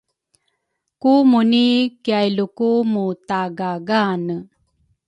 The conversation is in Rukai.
ku Muni kiailuku mutaagaagane.